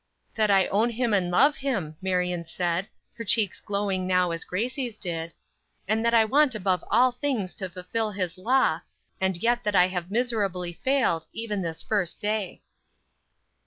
"That I own him and love him," Marion said, her cheeks glowing now as Gracie's did, "and that I want above all things, to fulfill his law, and yet that I have miserably failed, even this first day."